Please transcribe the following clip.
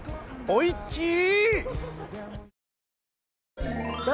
おいちい！